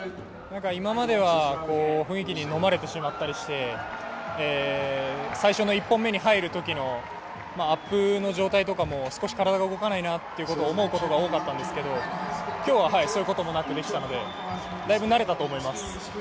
今までは雰囲気にのまれてしまったりして最初の１本目に入るときのアップの状態とかも少し体が動かないなと思うことが多かったんですけど今日はそういうこともなくできたので、だいぶ慣れたと思います。